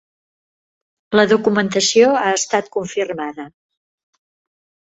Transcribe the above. La documentació ha estat confirmada.